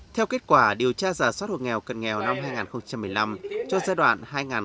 theo kết quả điều tra giả soát hộ nghèo cận nghèo năm hai nghìn một mươi năm cho giai đoạn hai nghìn một mươi sáu hai nghìn hai mươi